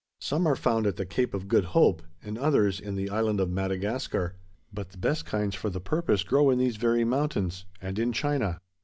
Some are found at the Cape of Good Hope, and others in the island of Madagascar; but the best kinds for the purpose grow in these very mountains, and in China.